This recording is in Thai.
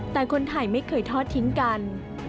แต่คนไทยไม่เคยทอดทิ้งกัน